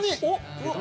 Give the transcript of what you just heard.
「おっ！」